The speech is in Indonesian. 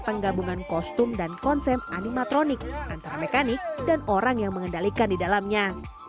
penggabungan kostum dan konsep animatronik antara mekanik dan orang yang mengendalikan di dalamnya